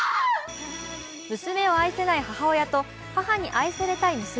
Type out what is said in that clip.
娘を愛せない母親と母に愛されたい娘。